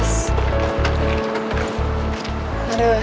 baik gue balik duluan ya